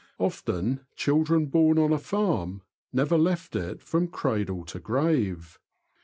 Often children born on a farm never left it from cradle to grave.